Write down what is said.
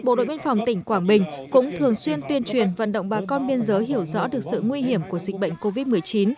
bộ đội biên phòng tỉnh quảng bình cũng thường xuyên tuyên truyền vận động bà con biên giới hiểu rõ được sự nguy hiểm của dịch bệnh covid một mươi chín